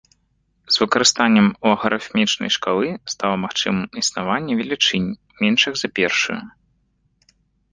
З выкарыстаннем лагарыфмічнай шкалы стала магчымым існаванне велічынь, меншых за першую.